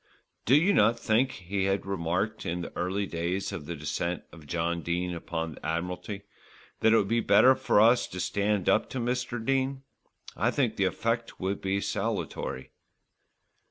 "Do you not think," he had remarked in the early days of the descent of John Dene upon the Admiralty, "that it would be better for us to stand up to Mr. Dene? I think the effect would be salutary."